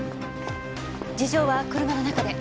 事情は車の中で。